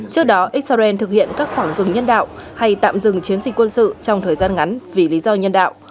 trước đó israel thực hiện các khoảng dừng nhân đạo hay tạm dừng chiến dịch quân sự trong thời gian ngắn vì lý do nhân đạo